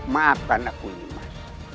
maafkan aku nimas